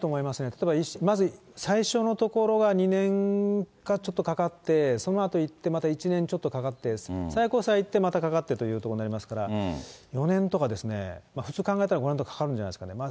例えば、まず最初のところは２年かちょっとかかって、そのあと行って、また１年ちょっとかかって、最高裁いってまたかかってっていうところになりますからね、４年とかですね、普通に考えたら５年とかかかるんじゃないですかね。